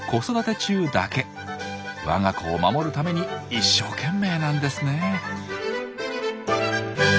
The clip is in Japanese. わが子を守るために一生懸命なんですね。